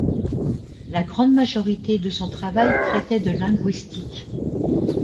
La grande majorité de son travail traitait de linguistique.